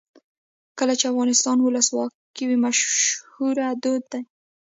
کله چې افغانستان کې ولسواکي وي مشوره دود وي.